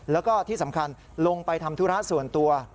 แล้วก็ที่สำคัญลงไปทำธุระส่วนตัว